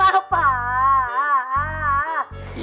ya kan kita beda sekolah bebih